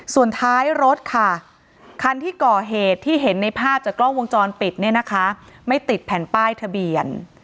ส่วนท้ายรถค่ะคันที่ก่อเหตุที่เห็นในภาพจากกล้องวงจรปิดเนี่ยนะคะไม่ติดแผ่นป้ายทะเบียน